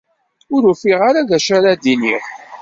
Ur ufiɣ ara d acu ara d-iniɣ.